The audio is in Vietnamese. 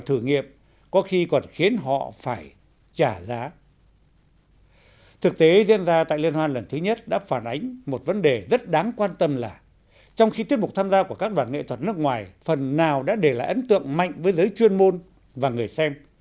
thực tế diễn ra tại liên hoan lần thứ nhất đã phản ánh một vấn đề rất đáng quan tâm là trong khi tiết mục tham gia của các đoàn nghệ thuật nước ngoài phần nào đã để lại ấn tượng mạnh với giới chuyên môn và người xem